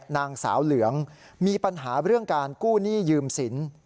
นางสาวเหลืองมีปัญหาเรื่องการกู้หนี้ยืมสิน